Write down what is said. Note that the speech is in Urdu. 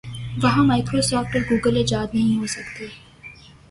وہاں مائیکرو سافٹ اور گوگل ایجاد نہیں ہو سکتے۔